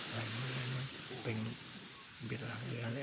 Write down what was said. มันเป็นบิดหลังหรืออะไร